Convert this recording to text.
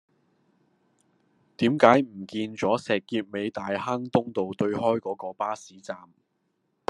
點解唔見左石硤尾大坑東道對開嗰個巴士站